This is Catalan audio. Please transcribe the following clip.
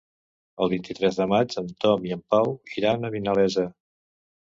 El vint-i-tres de maig en Tom i en Pau iran a Vinalesa.